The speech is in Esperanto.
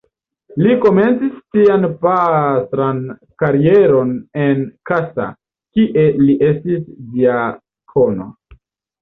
Li komencis sian pastran karieron en Kassa, kie li estis diakono.